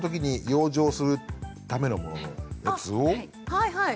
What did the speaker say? はいはい。